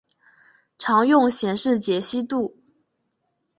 常用显示解析度